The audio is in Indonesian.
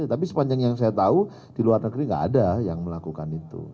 tapi sepanjang yang saya tahu di luar negeri tidak ada yang melakukan itu